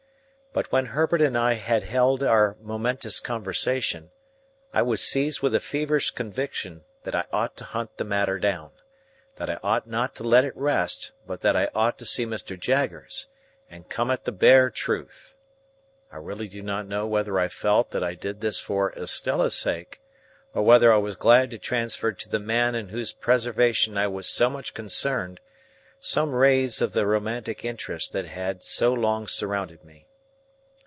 But when Herbert and I had held our momentous conversation, I was seized with a feverish conviction that I ought to hunt the matter down,—that I ought not to let it rest, but that I ought to see Mr. Jaggers, and come at the bare truth. I really do not know whether I felt that I did this for Estella's sake, or whether I was glad to transfer to the man in whose preservation I was so much concerned some rays of the romantic interest that had so long surrounded me.